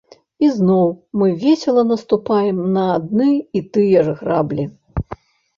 І зноў мы весела наступаем на адны і тыя ж граблі.